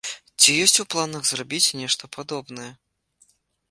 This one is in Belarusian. Ці ёсць у планах зрабіць нешта падобнае?